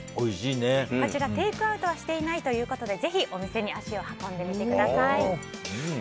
こちら、テイクアウトはしていないということでぜひ、お店に足を運んでみてください。